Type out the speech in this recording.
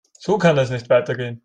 So kann es nicht weitergehen.